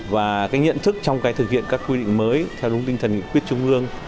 và nhận thức trong thực hiện các quy định mới theo đúng tinh thần quyết trung ương